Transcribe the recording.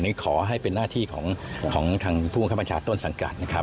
นี่ขอให้เป็นหน้าที่ของพวกงานคับพันธาตุต้นสั่งการนะครับ